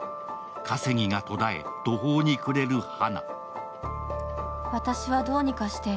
稼ぎが途絶え、途方に暮れる花。